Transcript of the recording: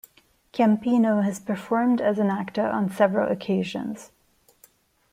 Campino has performed as an actor on several occasions.